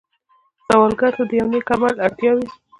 سوالګر ته د یو نېک عمل اړتیا وي